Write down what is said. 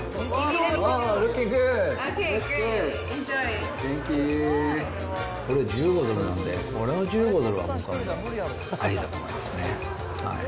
すごい。これ、１５ドルなんで、これの１５ドルは本当に、ありだと思いますね。